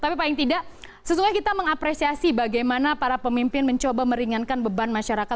tapi paling tidak sesungguhnya kita mengapresiasi bagaimana para pemimpin mencoba meringankan beban masyarakat